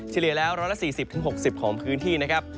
เฉลี่ยแล้วร้อยละ๔๐๖๐องศาเซียดของพื้นที่นะครับ